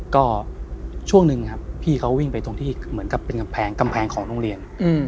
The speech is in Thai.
ก็ช่วงหนึ่งครับพี่เขาวิ่งไปตรงที่เหมือนกับเป็นกำแพงกำแพงของโรงเรียน